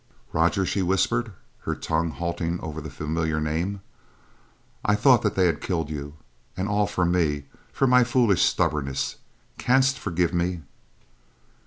"Roger," she whispered, her tongue halting over the familiar name. "I thought that they had killed you, and all for me, for my foolish stubbornness. Canst forgive me?"